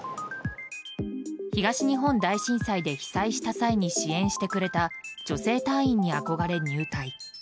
東日本大震災で被災した際に支援してくれた女性隊員に憧れ、入隊。